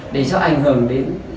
để cho ảnh hưởng đến